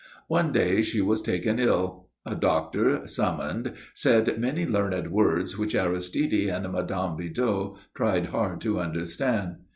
One day she was taken ill. A doctor, summoned, said many learned words which Aristide and Mme. Bidoux tried hard to understand.